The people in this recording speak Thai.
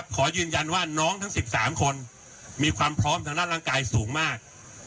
ขอยืนยันว่าน้องทั้ง๑๓คนมีความพร้อมทางด้านร่างกายสูงมาก